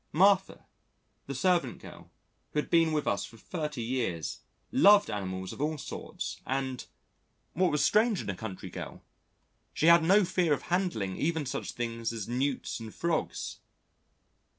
Martha, the servant girl who had been with us for 30 years, loved animals of all sorts and what was strange in a country girl she had no fear of handling even such things as Newts and Frogs.